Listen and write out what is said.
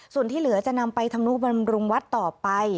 ส่วนที่เหลือจะนำไปธรรมนุปรัมรุมวัดต่อไป